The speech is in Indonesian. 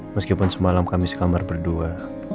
meskipun semalam kami sekamar berdua